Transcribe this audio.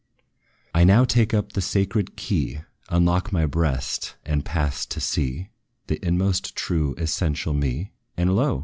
I now take up the sacred key, Unlock my breast, and pass to see The inmost, true, essential ME: And lo!